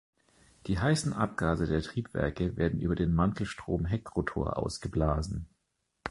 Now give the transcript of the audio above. Die heißen Abgase der Triebwerke werden über den Mantelstrom-Heckrotor ausgeblasen.